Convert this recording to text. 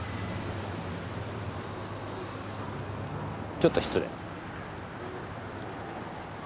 ちょっと失礼。